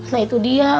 nah itu dia